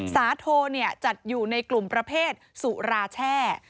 สาโทจัดอยู่ในกลุ่มประเภทสุราแช่